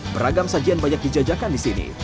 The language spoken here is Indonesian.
beragam sajian banyak dijajakan disini